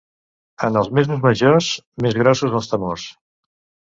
En els mesos majors, més grossos els temors.